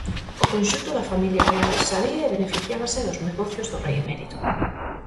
O conxunto da familia real sabía e beneficiábase dos negocios do rei emérito.